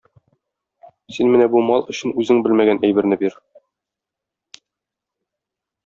Син менә бу мал өчен үзең белмәгән әйберне бир.